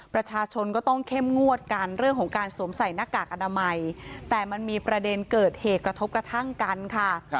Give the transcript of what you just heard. ประชาชนก็ต้องเข้มงวดกันเรื่องของการสวมใส่หน้ากากอนามัยแต่มันมีประเด็นเกิดเหตุกระทบกระทั่งกันค่ะ